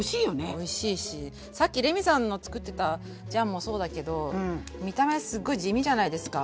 おいしいしさっきレミさんの作ってたジャンもそうだけど見た目すごい地味じゃないですか。